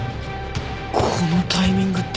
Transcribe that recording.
このタイミングって。